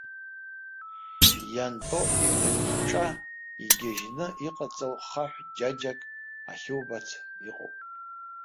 Иантәо иҭыҿҿа, игьежьны иҟаҵоу хаҳә џьаџьак ахьубац иҟоуп.